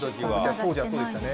当時はそうでしたね。